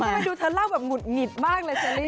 ทำไมดูเธอเล่าแบบหุดหงิดมากเลยเชอรี่